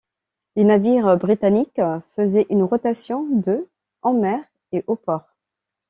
Les navires britanniques faisaient une rotation de en mer et au port.